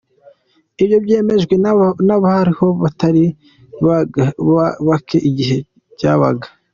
Ibyo byemejwe n’abar’aho batari bake igihe byabaga.